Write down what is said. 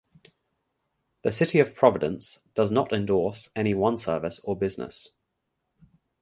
The City of Providence does not endorse any one service or business.